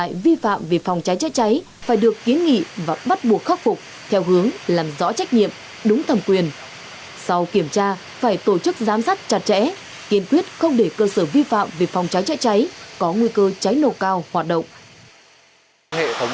cơ sở cháy cháy phải được kiến nghị và bắt buộc khắc phục theo hướng làm rõ trách nhiệm đúng thầm quyền sau kiểm tra phải tổ chức giám sát chặt chẽ kiên quyết không để cơ sở vi phạm về phòng cháy cháy cháy có nguy cơ cháy nổ cao hoạt động